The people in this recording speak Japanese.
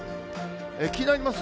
気になります